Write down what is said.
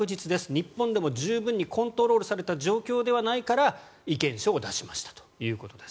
日本でも十分にコントロールされた状況ではないから意見書を出しましたということです。